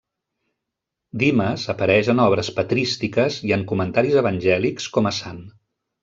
Dimes apareix en obres patrístiques i en comentaris evangèlics com a sant.